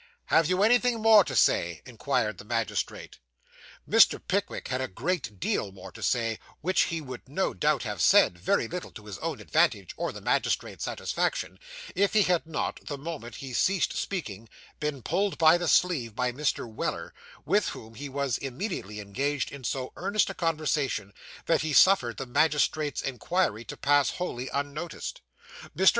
'Have you anything more to say?' inquired the magistrate. Mr. Pickwick had a great deal more to say, which he would no doubt have said, very little to his own advantage, or the magistrate's satisfaction, if he had not, the moment he ceased speaking, been pulled by the sleeve by Mr. Weller, with whom he was immediately engaged in so earnest a conversation, that he suffered the magistrate's inquiry to pass wholly unnoticed. Mr.